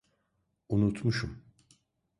Unutmuşum.